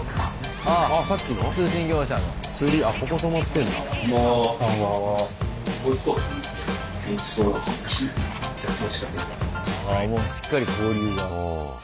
ああもうしっかり交流が。